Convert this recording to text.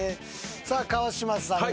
さあ川島さんが。